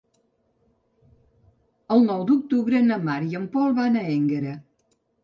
El nou d'octubre na Mar i en Pol van a Énguera.